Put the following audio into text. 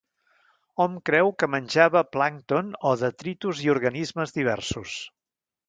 Hom creu que menjava plàncton o detritus i organismes diversos.